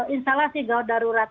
instalasi gawat darurat